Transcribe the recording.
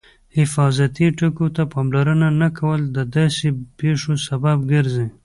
حفاظتي ټکو ته پاملرنه نه کول د داسې پېښو سبب ګرځي.